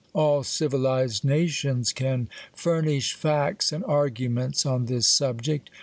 All civilized na tions can furnish facts and arguments on this subject.